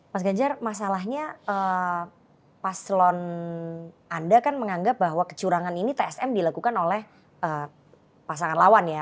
mas ganjar masalahnya paslon anda kan menganggap bahwa kecurangan ini tsm dilakukan oleh pasangan lawan ya